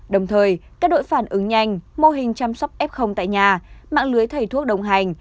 đồng thời các đội phản ứng nhanh mô hình chăm sóc f tại nhà mạng lưới thầy thuốc đồng hành